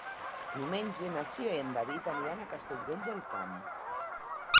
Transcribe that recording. Diumenge na Cira i en David aniran a Castellvell del Camp.